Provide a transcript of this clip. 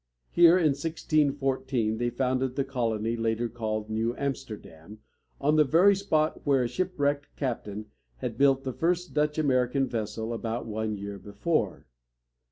Here, in 1614, they founded the colony later called New Am´ster dam, on the very spot where a shipwrecked captain had built the first Dutch American vessel about one year before.